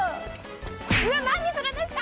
うわっ何するんですか！